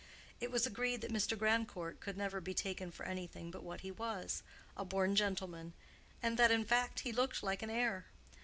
It was agreed that Mr. Grandcourt could never be taken for anything but what he was—a born gentleman; and that, in fact, he looked like an heir.